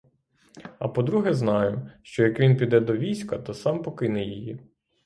А по-друге, знаю, що як він піде до війська, то сам покине її.